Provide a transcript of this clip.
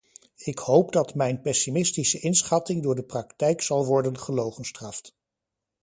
Ik hoop dat mijn pessimistische inschatting door de praktijk zal worden gelogenstraft.